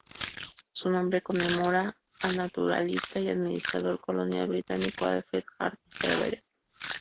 Su nombre conmemora al naturalista y administrador colonial británico Alfred Hart Everett.